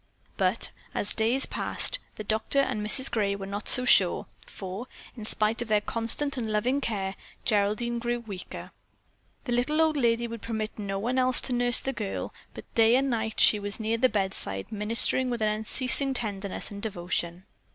But, as days passed, the Colonel and Mrs. Gray were not so sure, for, in spite of their constant and loving care, Geraldine grew weaker. The little old lady would permit no one else to nurse the girl, but day and night she was near the bedside, ministering with an unceasing tenderness and devotion.